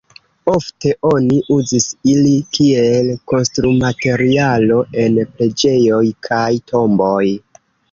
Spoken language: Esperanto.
Ofte oni uzis ili kiel konstrumaterialo en preĝejoj kaj tomboj.